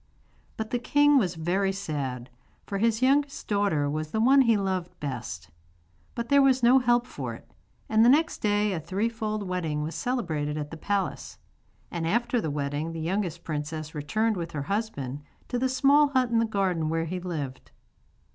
But the king was very sad, for his youngest daughter was the one he loved best. But there was no help for it; and the next day a threefold wedding was celebrated at the palace, and after the wedding the youngest princess returned with her husband to the small hut in the garden where he lived.